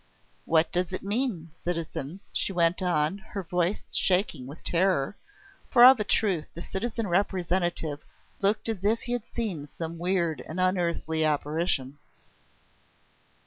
What does it mean, citizen?" she went on, her voice shaking with terror, for of a truth the citizen Representative looked as if he had seen some weird and unearthly apparition.